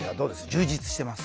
充実してます？